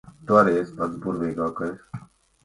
Tu arī esi pats burvīgākais.